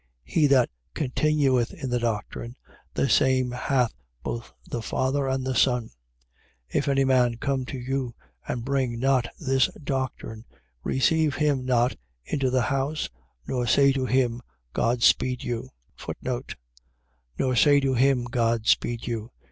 He that continueth in the doctrine, the same hath both the Father and the Son. 1:10. If any man come to you and bring not this doctrine, receive him not into the house nor say to him: God speed you. Nor say to him, God speed you.